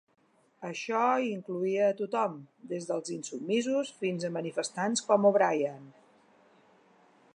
Això incloïa a tothom, des dels insubmisos fins a manifestants com O'Brien.